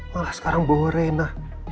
malah sekarang bawa rina